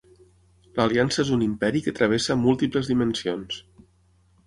L'Aliança és un imperi que travessa múltiples dimensions.